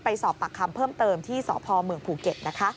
สอบปากคำเพิ่มเติมที่สพเมืองภูเก็ตนะคะ